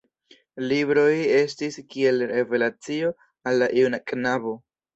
Libroj estis kiel revelacio al la juna knabo.